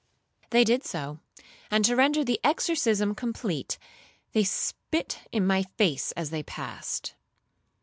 They did so; and to render the exorcism complete, they spit in my face as they passed.